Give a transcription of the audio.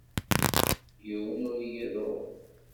Yiwen ur iyi-iḍurr.